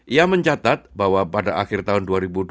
ia mencatat bahwa pada akhir tahun dua ribu dua puluh